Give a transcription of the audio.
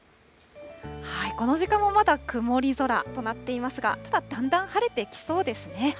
この時間もまだ曇り空となっていますが、だんだん晴れてきそうですね。